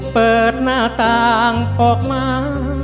เปิดหน้าต่างออกมา